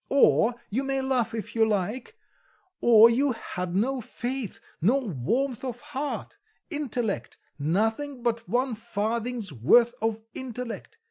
"Or you may laugh if you like or you had no faith, no warmth of heart; intellect, nothing but one farthing's worth of intellect...